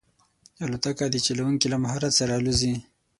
الوتکه د چلونکي له مهارت سره الوزي.